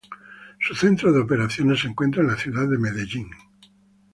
Su centro de operaciones se encuentra en la ciudad de Medellín.